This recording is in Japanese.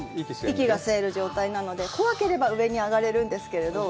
息が吸える状態なので、怖ければ、上に上がれるんですけど。